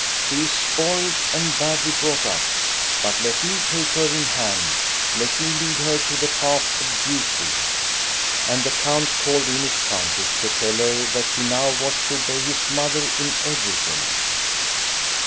She is spoiled and badly brought up. But let me take her in hand, let me lead her to the path of duty." And the count called in his countess to tell her that she now was to obey his mother in everything.